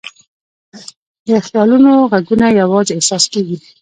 د خیالونو ږغونه یواځې احساس کېږي.